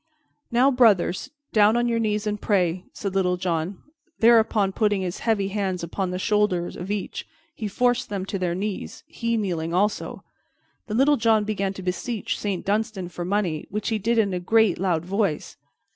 "Now, brothers, down on your knees and pray," said Little John; thereupon, putting his heavy hands upon the shoulder of each, he forced them to their knees, he kneeling also. Then Little John began to beseech Saint Dunstan for money, which he did in a great loud voice.